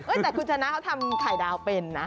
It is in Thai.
แต่คุณชนะเขาทำไข่ดาวเป็นนะ